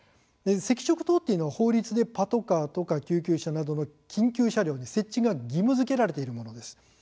赤色灯というのは法律でパトカーとか救急車などの緊急車両に設置が義務づけられているものです。